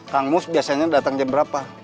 kang mus biasanya datang jam berapa